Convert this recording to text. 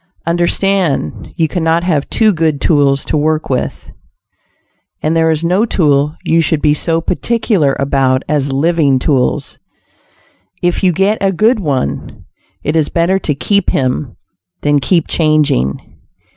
Understand, you cannot have too good tools to work with, and there is no tool you should be so particular about as living tools. If you get a good one, it is better to keep him, than keep changing.